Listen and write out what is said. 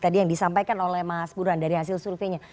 tadi yang disampaikan oleh mas buran dari hasil surveinya